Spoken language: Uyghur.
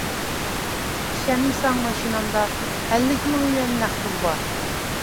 ئىشەنمىسەڭ ماشىنامدا ئەللىك مىڭ يۈەن نەق پۇل بار.